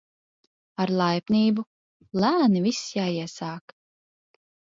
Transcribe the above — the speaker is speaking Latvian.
Ar laipnību, lēni viss jāiesāk